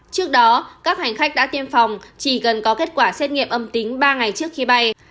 trước đó các hành khách đã tiêm phòng chỉ cần có kết quả xét nghiệm âm tính ba ngày trước khi bay